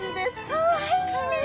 かわいい。